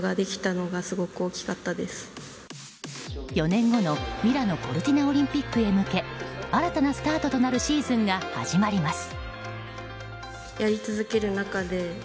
４年後の、ミラノコルティナオリンピックへ向け新たなスタートとなるシーズンが始まります。